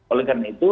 oleh karena itu